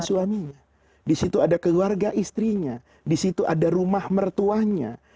suaminya di situ ada keluarga istrinya di situ ada rumah mertuanya